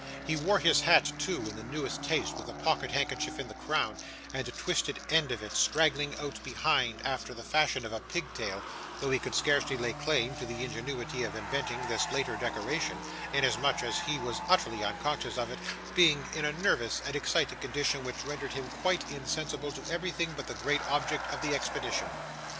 He wore his hat, too, in the newest taste, with a pocket handkerchief in the crown, and a twisted end of it straggling out behind after the fashion of a pigtail, though he could scarcely lay claim to the ingenuity of inventing this latter decoration, inasmuch as he was utterly unconscious of it: being in a nervous and excited condition which rendered him quite insensible to everything but the great object of the expedition.